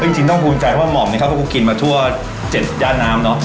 จริงจริงต้องภูมิใจว่าหม่อมเนี้ยครับเพราะกูกินมาทั่วเจ็ดยานน้ำเนอะ